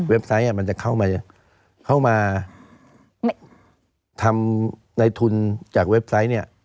เว็บไซต์มันจะเข้ามาทำในทุนจากเว็บไซต์